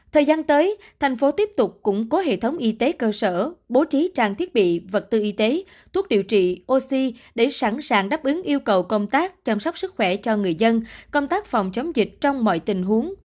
thời gian tới thành phố tiếp tục củng cố hệ thống y tế cơ sở bố trí trang thiết bị vật tư y tế thuốc điều trị oxy để sẵn sàng đáp ứng yêu cầu công tác chăm sóc sức khỏe cho người dân công tác phòng chống dịch trong mọi tình huống